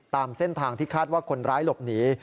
ตามเส้นทางที่คาดว่าคนร้ายหลบหนี